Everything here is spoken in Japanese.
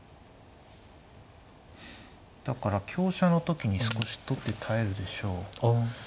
だから香車の時に少し取って耐えるでしょう。